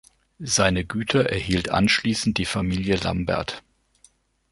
Seine Güter erhielt anschließend die Familie Lambert.